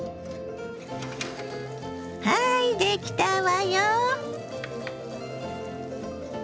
はいできたわよ。